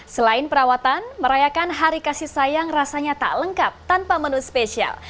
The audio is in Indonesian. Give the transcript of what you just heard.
selain perawatan merayakan hari kasih sayang rasanya tak lengkap tanpa menu spesial